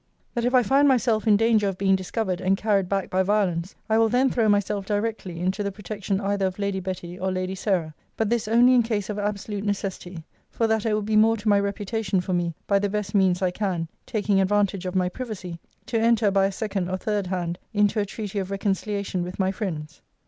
'That if I find myself in danger of being discovered, and carried back by violence, I will then throw myself directly into the protection either of Lady Betty or Lady Sarah: but this only in case of absolute necessity; for that it will be more to my reputation, for me, by the best means I can, (taking advantage of my privacy,) to enter by a second or third hand into a treaty of reconciliation with my friends.